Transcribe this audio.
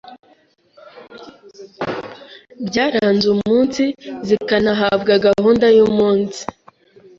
byaranze umunsi, zikanahabwa gahunda y’umunsi